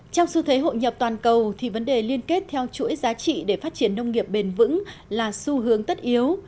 trong xu thế hội nhập toàn cầu thì vấn đề liên kết theo chuỗi giá trị để phát triển nông nghiệp bền vững là xu hướng tất yếu